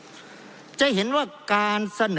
เพราะเรามี๕ชั่วโมงครับท่านนึง